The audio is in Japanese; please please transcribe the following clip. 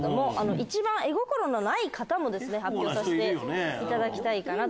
一番絵心のない方も発表させていただきたいかなと。